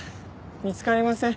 見つかりません。